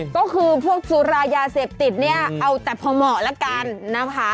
ก็คือพวกสุรายาเสพติดเนี่ยเอาแต่พอเหมาะแล้วกันนะคะ